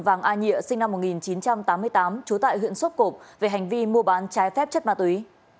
vàng ai nhịa sinh năm một nghìn chín trăm tám mươi tám trú tại huyện sốc cộp về hành vi mua bán trái phép chất ma túy